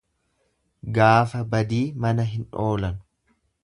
Gaafa badii mana hin oolan.